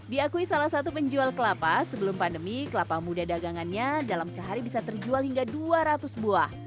diakui salah satu penjual kelapa sebelum pandemi kelapa muda dagangannya dalam sehari bisa terjual hingga dua ratus buah